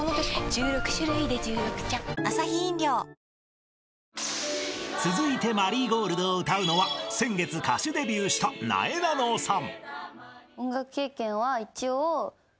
十六種類で十六茶［続いて『マリーゴールド』を歌うのは先月歌手デビューしたなえなのさん］